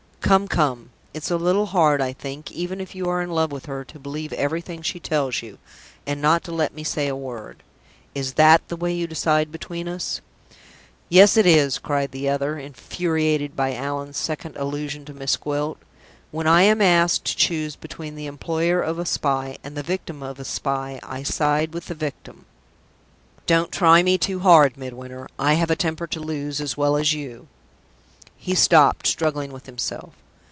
Come! come! it's a little hard, I think, even if you are in love with her, to believe everything she tells you, and not to let me say a word. Is that the way you decide between us?" "Yes, it is!" cried the other, infuriated by Allan's second allusion to Miss Gwilt. "When I am asked to choose between the employer of a spy and the victim of a spy, I side with the victim!" "Don't try me too hard, Midwinter, I have a temper to lose as well as you." He stopped, struggling with himself.